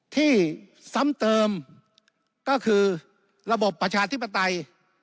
ซ้ำเติมก็คือระบบประชาธิปไตย